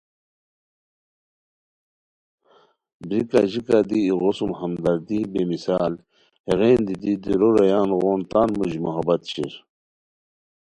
بریک اژیکہ دی ایغو سُم ہمدردی بے مثال ہیغین دیتی دُورو رویان غون تان موژی محبت شیر